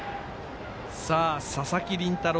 佐々木麟太郎